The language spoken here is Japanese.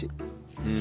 うん。